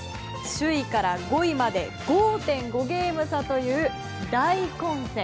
首位から５位まで５．５ゲーム差という大混戦。